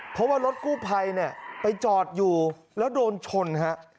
เพราะว่ารถกู้ภัยเนี่ยไปจอดอยู่แล้วโดนชนฮะ